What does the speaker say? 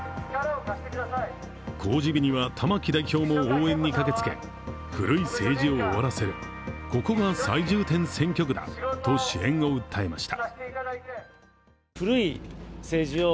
公示日には玉木代表も応援に駆けつけ古い政治を終わらせる、ここが最重点選挙区だと支援を訴えました。